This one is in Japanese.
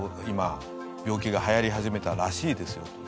今病気がはやり始めたらしいですよ」。